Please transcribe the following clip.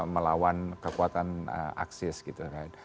melawan kekuatan axis gitu kan